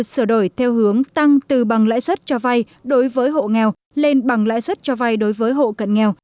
bảy nghìn bốn trăm bảy mươi bốn sửa đổi theo hướng tăng từ bằng lãi suất cho vay đối với hộ nghèo lên bằng lãi suất cho vay đối với hộ cận nghèo